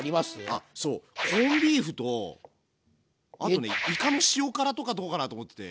あそうコンビーフとあとねいかの塩辛とかどうかなと思ってて。